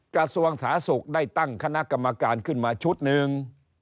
กระทรวงสาธารณสุขได้ตั้งคณะกรรมการขึ้นมาชุดหนึ่ง